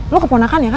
lu keponakan ya kan